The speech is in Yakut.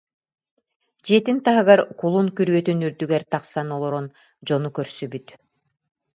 Дьиэтин таһыгар кулун күрүөтүн үрдүгэр тахсан олорон дьону көрсүбүт